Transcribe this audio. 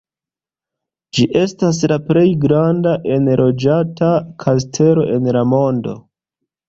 Ĝi estas la plej granda enloĝata kastelo en la mondo.